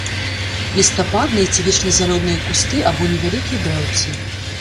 Лістападныя ці вечназялёныя кусты або невялікія дрэўцы.